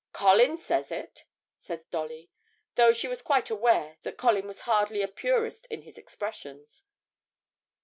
'Colin says it,' said Dolly, though she was quite aware that Colin was hardly a purist in his expressions.